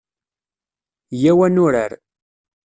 Yyaw ad nurar.